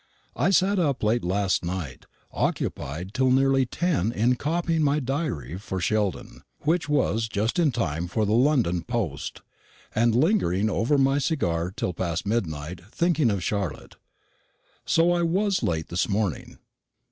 I sat up late last night, occupied till nearly ten in copying my diary for Sheldon which was just in time for the London post and lingering over my cigar till past midnight, thinking of Charlotte. So I was late this morning.